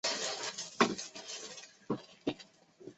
瓦尔东布。